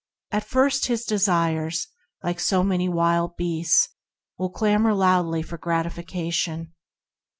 At first his desires, like so many wild beasts, will clamor loudly for gratification.